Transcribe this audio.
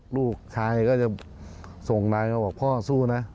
ลูกชายก็จะส่งไลน์มาบอกพ่อสู้นะ